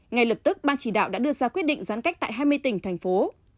ngay lập tức ban chỉ đạo đã đưa ra quyết định giãn cách tại hai mươi tỉnh thành phố